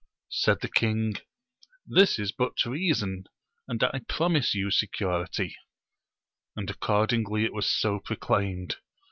Said the king, this is but reason, and I promise you security ; and accordingly it was so proclaimed.